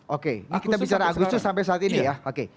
oke kita bicara agustus sampai saat ini ya oke